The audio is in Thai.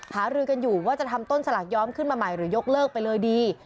หารือกันอยู่ว่าจะทำต้นสลากย้อมขึ้นมาใหม่หรือยกเลิกไปเลยดี